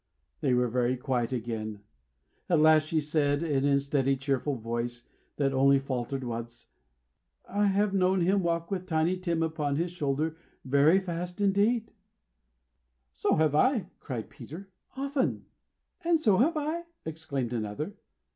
They were very quiet again. At last she said, and in a steady, cheerful voice, that only faltered once: "I have known him walk with I have known him walk with Tiny Tim upon his shoulder, very fast indeed." "And so have I," cried Peter. "Often." "And so have I," exclaimed another.